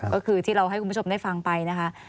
ก็คือที่เราให้คุณผู้ชมได้ฟังไปนะคะ